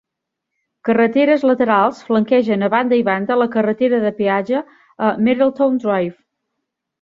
Carreteres laterals flanquegen a banda i banda la carretera de peatge a Merrilltown Drive.